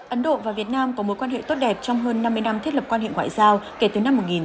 ấn độ và việt nam có mối quan hệ tốt đẹp trong hơn năm mươi năm thiết lập quan hệ ngoại giao kể từ năm một nghìn chín trăm bảy mươi